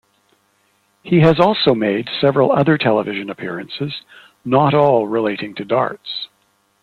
He has also made several other television appearances, not all relating to darts.